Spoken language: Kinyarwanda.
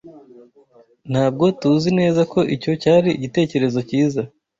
Ntabwo TUZI neza ko icyo cyari igitekerezo cyiza.